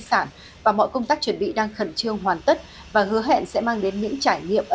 sản và mọi công tác chuẩn bị đang khẩn trương hoàn tất và hứa hẹn sẽ mang đến những trải nghiệm